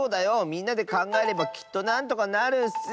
みんなでかんがえればきっとなんとかなるッス！